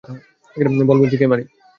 বল বলছি, কে মারি?